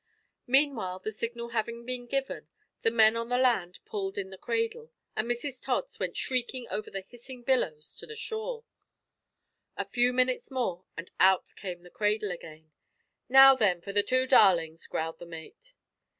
Meanwhile, the signal having been given, the men on the land pulled in the cradle, and Mrs Tods went shrieking over the hissing billows to the shore. A few minutes more and out came the cradle again. "Now, then, for the two `darlings'," growled the mate.